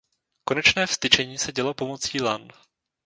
Konečné vztyčení se dělo pomocí lan.